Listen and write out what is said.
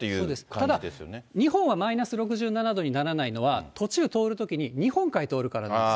ただ日本はマイナス６７度にならないのは、途中、通るときに日本海通るからなんです。